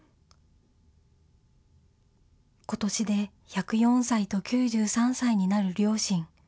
ことしで１０４歳と９３歳になる両親。